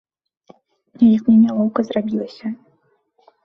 Неяк мне нялоўка зрабілася.